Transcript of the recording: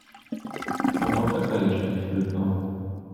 Ale poczekaj jeszcze chwilkę.